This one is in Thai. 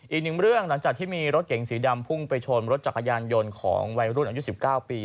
อีกหนึ่งเรื่องหลังจากที่มีรถเก๋งสีดำพุ่งไปชนรถจักรยานยนต์ของวัยรุ่นอายุ๑๙ปี